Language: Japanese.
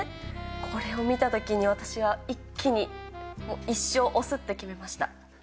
これを見たときに私は、一気に、一生推すって決めました。